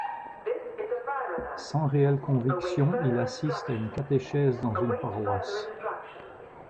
Sans réelle conviction, il assiste à une catéchèse dans une paroisse.